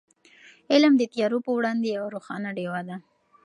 علم د تیارو په وړاندې یوه روښانه ډېوه ده.